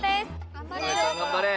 頑張れ！